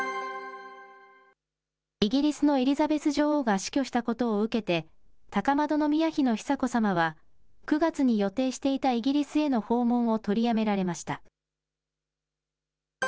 イギリスのエリザベス女王が死去したことを受けて、高円宮妃の久子さまは、９月に予定していたイギリスへの訪問を取りやめられました。